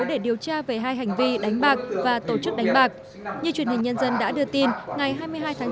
để điều tra về hai hành vi đánh bạc và tổ chức đánh bạc như truyền hình nhân dân đã đưa tin ngày hai mươi hai tháng chín